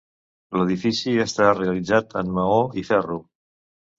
L'edifici està realitzat en maó i ferro.